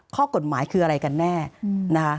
ข้อกฎหมายคืออะไรกันแน่นะคะ